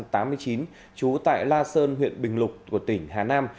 trú tại la sơn huyện bình lục của tỉnh hà nam